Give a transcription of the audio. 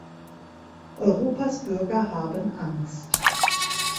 Europas Bürger haben Angst.